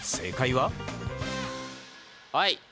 はい。